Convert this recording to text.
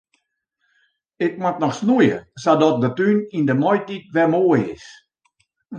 Ik moat noch snoeie sadat de tún yn de maitiid wer moai is.